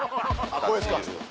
これですか。